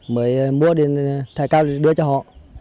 mới mua thẻ cao điện thoại đưa cho họ